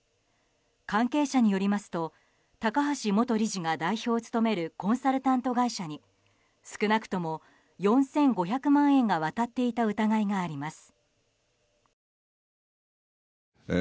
関係者によりますと高橋元理事が代表を務めるコンサルタント会社に少なくとも４５００万円が渡っていた疑いがあります。